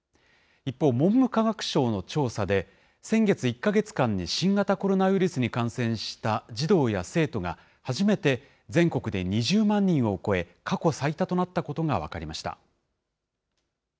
一方、文部科学省の調査で、先月１か月間に新型コロナウイルスに感染した児童や生徒が初めて全国で２０万人を超え、過去最多となったことが分かりました。